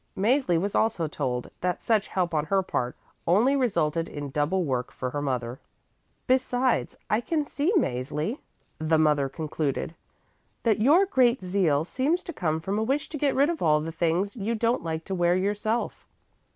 Mäzli was also told that such help on her part only resulted in double work for her mother. "Besides I can see Mäzli," the mother concluded, "that your great zeal seems to come from a wish to get rid of all the things you don't like to wear yourself.